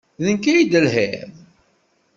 D nekk ay d-telhiḍ?